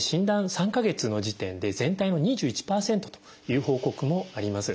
３か月の時点で全体の２１％という報告もあります。